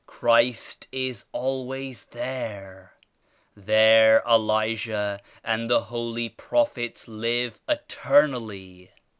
Christ is always there. There Elijah and all the Holy Prophets live eternally.